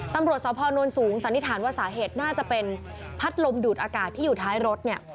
ตำรวจสพนสูงสันนิษฐานว่าสาเหตุน่าจะเป็นพัดลมดูดอากาศที่อยู่ท้ายรถเนี่ย